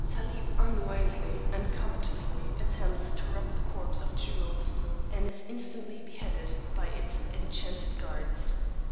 Tálib unwisely and covetously attempts to rob the corpse of jewels; and is instantly beheaded by its enchanted guards.